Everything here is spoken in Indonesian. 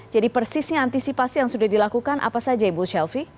jadi persisnya antisipasi yang sudah dilakukan apa saja ibu shelfie